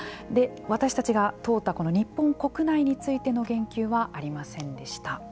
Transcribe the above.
私たちが問うた日本国内についての言及はありませんでした。